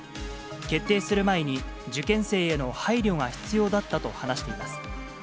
決定する前に受験生への配慮が必要だったと話しています。